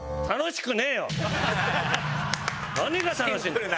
何が楽しいんだよ！